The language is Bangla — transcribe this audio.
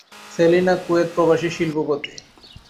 সেলিনা কুয়েত প্রবাসী শিল্পপতি।